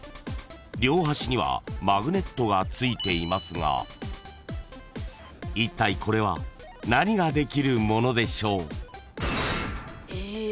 ［両端にはマグネットが付いていますがいったいこれは何ができるものでしょう？］え。